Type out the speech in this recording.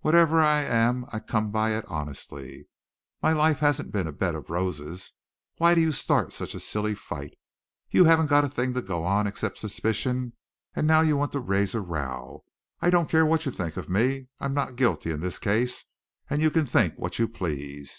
Whatever I am I come by it honestly. My life hasn't been a bed of roses. Why do you start a silly fight? You haven't a thing to go on except suspicion and now you want to raise a row. I don't care what you think of me. I'm not guilty in this case and you can think what you please.